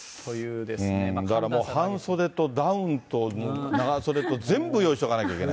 だから半袖とダウンと長袖と、全部用意しとかなきゃいけない。